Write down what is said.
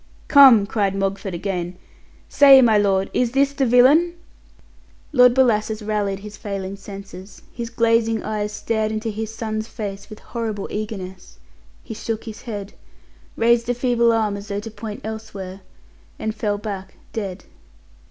"Come," cried Mogford again; "say, my lord, is this the villain?" Lord Bellasis rallied his failing senses, his glazing eyes stared into his son's face with horrible eagerness; he shook his head, raised a feeble arm as though to point elsewhere, and fell back dead.